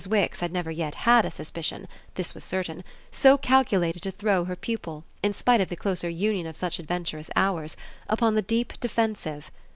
Wix had never yet had a suspicion this was certain so calculated to throw her pupil, in spite of the closer union of such adventurous hours, upon the deep defensive.